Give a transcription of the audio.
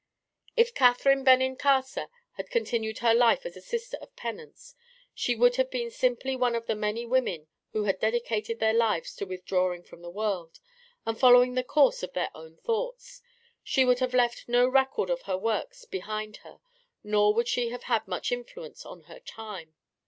If Catherine Benincasa had continued her life as a Sister of Penance she would have been simply one of many women who have dedicated their lives to withdrawing from the world and following the course of their own thoughts. She would have left no record of her works behind her nor would she have had much influence on her time.